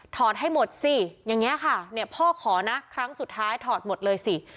ให้หมดสิอย่างนี้ค่ะเนี่ยพ่อขอนะครั้งสุดท้ายถอดหมดเลยสิ